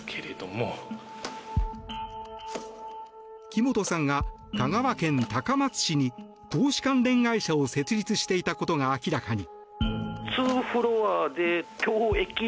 木本さんが香川県高松市に投資関連会社を設立していたことが明らかに。